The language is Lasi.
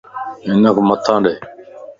ھنک ماني ڏي